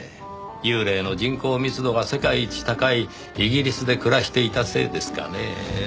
幽霊の人口密度が世界一高いイギリスで暮らしていたせいですかねぇ。